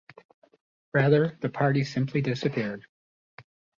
Rather, the party simply disappeared.